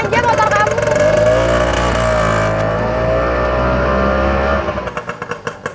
aku gak akan pernah ngejarin kamu ke susah